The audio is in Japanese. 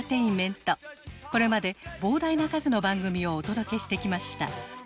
これまで膨大な数の番組をお届けしてきました。